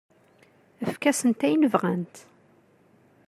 Efk-asent ayen bɣant.